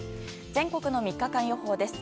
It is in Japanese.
全国の３日間予報です。